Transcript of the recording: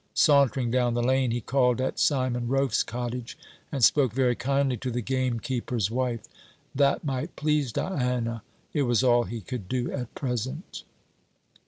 Sauntering down the lane, he called at Simon Rofe's cottage, and spoke very kindly to the gamekeeper's wife. That might please Diana. It was all he could do at present.